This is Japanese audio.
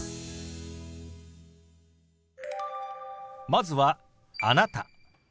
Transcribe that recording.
まずは「あなた」。